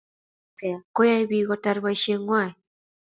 namet ab asoya ko yae piik kotar poshe ngwai